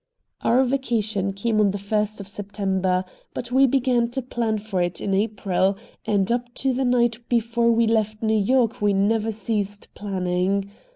Our vacation came on the first of September, but we began to plan for it in April, and up to the night before we left New York we never ceased planning.